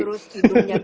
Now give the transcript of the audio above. terus hidupnya gatal